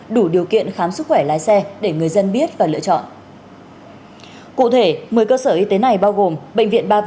đủ điều kiện khám sức khỏe lái xe để người dân biết và lựa chọn